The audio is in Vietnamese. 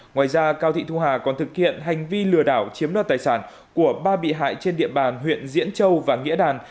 ngoài ra cao thị thu hà còn thực hiện hành vi lừa đảo chiếm đoạt tài sản của ba bị hại trên địa bàn huyện diễn châu và nghĩa đàn